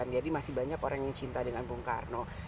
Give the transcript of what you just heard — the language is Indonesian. jadi masih banyak orang yang cinta dengan bung karno